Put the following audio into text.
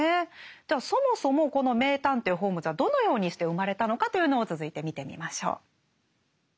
ではそもそもこの名探偵ホームズはどのようにして生まれたのかというのを続いて見てみましょう。